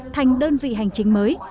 thành đơn vị hành chính mới